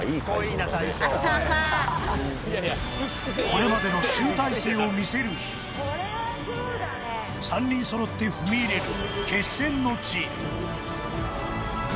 これまでの集大成を見せる日３人揃って踏み入れる